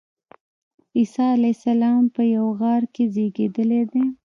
عیسی علیه السلام په یوه غار کې زېږېدلی دی.